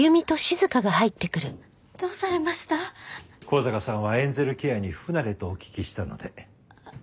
向坂さんはエンゼルケアに不慣れとお聞きしたので。